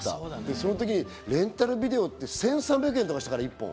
その時にレンタルビデオって１３００円とかしたから、１本。